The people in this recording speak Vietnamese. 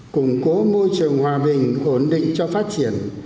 củng cố môi trường hòa bình ổn định cho phát triển